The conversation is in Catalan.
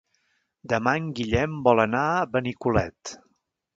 Demà en Guillem vol anar a Benicolet.